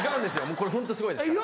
これホントすごいですから。